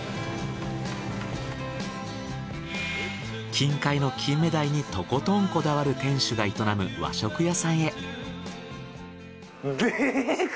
近海の金目鯛にとことんこだわる店主が営む和食屋さんへ。